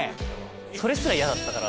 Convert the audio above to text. それすら嫌だったから。